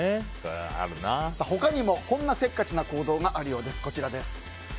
他にもこんなせっかちな行動があるようです。